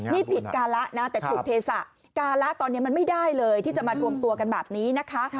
นี่ผิดการะนะแต่ถูกเทศะการะตอนนี้มันไม่ได้เลยที่จะมารวมตัวกันแบบนี้นะคะ